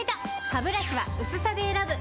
ハブラシは薄さで選ぶ！